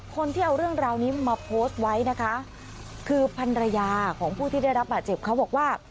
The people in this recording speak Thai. คนที่เอาเรื่องราวนี้มาโพสต์ไว้นะคะคือพันรยาของผู้ที่ได้รับบาดเจ็บเขาบอกว่า